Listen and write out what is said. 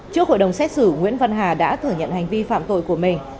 trước hội đồng xét xử nguyễn văn hà đã thừa nhận hành vi phạm tội của mình